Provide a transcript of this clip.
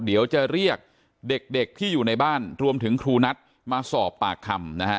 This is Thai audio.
เดี๋ยวจะเรียกเด็กที่อยู่ในบ้านรวมถึงครูนัทมาสอบปากคำนะฮะ